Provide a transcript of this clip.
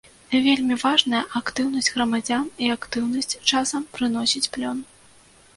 Вельмі важная актыўнасць грамадзян і актыўнасць часам прыносіць плён.